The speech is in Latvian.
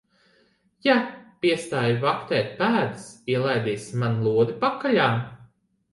Ja piestāji vaktēt pēdas, ielaidīsi man lodi pakaļā.